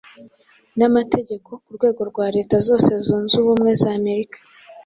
namategeko, ku rwego rwa leta zose zunze ubumwe za Amerika.